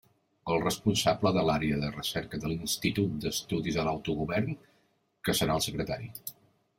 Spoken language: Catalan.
El responsable de l'Àrea de Recerca de l'Institut d'Estudis de l'Autogovern, que serà el secretari.